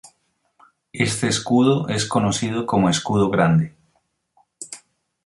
Este escudo es conocido como escudo grande.